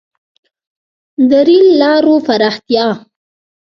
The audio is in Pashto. • د رېل لارو پراختیا.